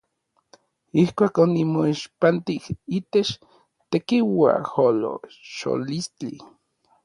Ijkuak onimoixpantij itech tekiuajolocholistli.